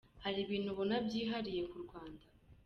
Hari ibintu abona byihariye ku Rwanda.